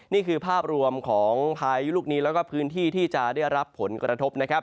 นี่คือภาพรวมของพายุลูกนี้แล้วก็พื้นที่ที่จะได้รับผลกระทบนะครับ